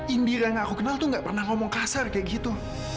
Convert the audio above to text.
indira yang aku kenal tuh gak pernah ngomong kasar kayak gitu